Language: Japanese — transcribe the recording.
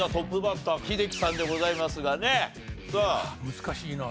難しいなあ。